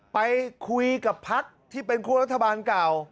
ไปคุยกับพักที่เป็นคั่วรัฐบาลเก่า